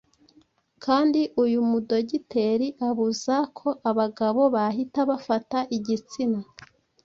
kandi uyu mu dogiteri abuza ko abagabo bahita bafata igitsina